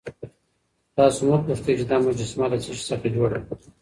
تاسو مه پوښتئ چې دا مجسمه له څه شي څخه جوړه ده.